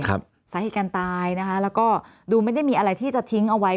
สาเหตุการณ์ตายนะคะแล้วก็ดูไม่ได้มีอะไรที่จะทิ้งเอาไว้